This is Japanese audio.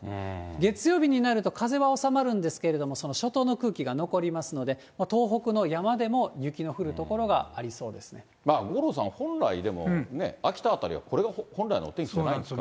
月曜日になると、風は収まるんですけれども、その初冬の空気が残りますので、東北の山でも雪の降る所がありそ五郎さん、本来でもね、秋田辺りはこれが本来のお天気なんじゃないですか。